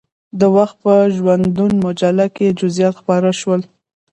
د وخت په ژوندون مجله کې یې جزئیات خپاره شول.